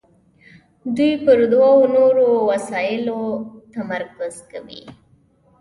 دوی پر دوو نورو مسایلو تمرکز کوي.